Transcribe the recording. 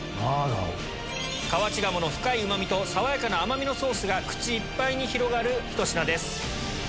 河内鴨の深いうまみと爽やかな甘みのソースが口いっぱいに広がるひと品です。